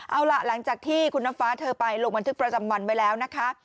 เอาล่ะหลังจากที่คุณน้ำฟ้าเธอไปลงบันทึกประจำวันไว้แล้วนะคะ